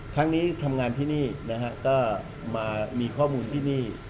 ครั้งนี้ทำงานที่นี่นะฮะก็มามีข้อมูลที่นี่